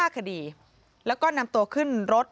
๕คดีแล้วก็นำตัวขึ้นรถ